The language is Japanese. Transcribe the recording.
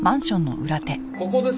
ここですか？